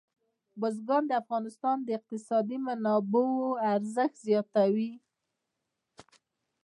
بزګان د افغانستان د اقتصادي منابعو ارزښت زیاتوي.